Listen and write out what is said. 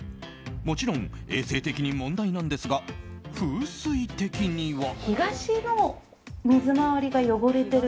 もちろん衛生的に問題なんですが風水的には。